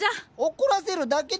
怒らせるだけだよ。